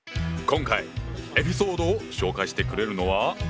今回エピソードを紹介してくれるのは。